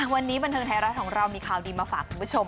วันนี้บันเทิงไทยรัฐของเรามีข่าวดีมาฝากคุณผู้ชม